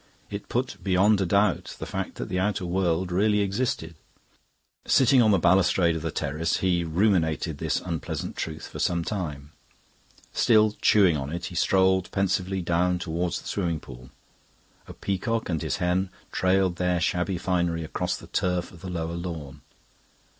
It put beyond a doubt the fact that the outer world really existed. Sitting on the balustrade of the terrace, he ruminated this unpleasant truth for some time. Still chewing on it, he strolled pensively down towards the swimming pool. A peacock and his hen trailed their shabby finery across the turf of the lower lawn.